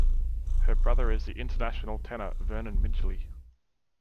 Her brother is the international tenor Vernon Midgley.